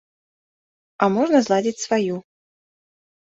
А можна зладзіць сваю.